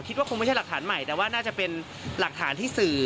คิดว่าคงไม่ใช่หลักฐานใหม่แต่ว่าน่าจะเป็นหลักฐานที่สื่อ